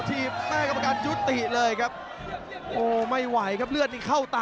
แล้วนี่ครับวงในก็มีซอกสลับตลอดครับ